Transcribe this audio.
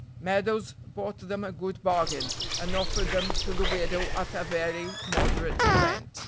Meadows bought them a good bargain, and offered them to the widow at a very moderate rent.